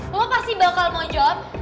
gue pasti bakal mau jawab